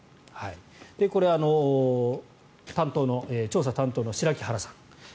これ、調査担当の白木原さん。